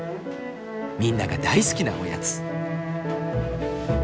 みんなが大好きなおやつ。